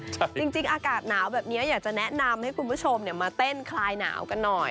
จริงอากาศหนาวแบบนี้อยากจะแนะนำให้คุณผู้ชมเนี่ยมาเต้นคลายหนาวกันหน่อย